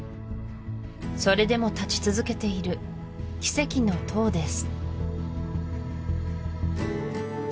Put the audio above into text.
それでも立ち続けている奇跡の塔です